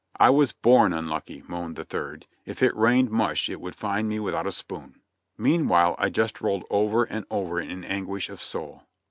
"I was born unlucky," moaned the third. "If it rained mush it would find me without a spoon." Meanwhile I just rolled over and over in anguish of soul.